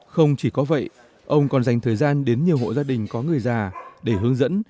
không chỉ có vậy ông còn dành thời gian đến nhiều hộ gia đình có người già để hướng dẫn